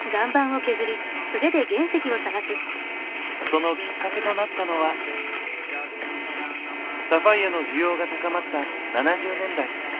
そのきっかけとなったのはサファイアの需要が高まった７０年代。